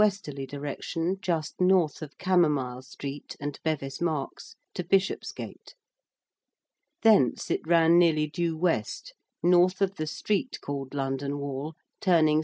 direction just north of Camomile Street and Bevis Marks to Bishopsgate. Thence it ran nearly due W., north of the street called London Wall, turning S.